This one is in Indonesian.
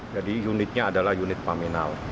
jadi unitnya adalah unit paminal